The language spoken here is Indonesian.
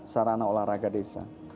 sarana olahraga desa